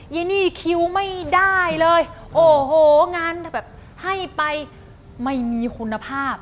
เยนี่คิวไม่ได้เลยโอ้โหงานให้ไปไม่มีคุณภาพ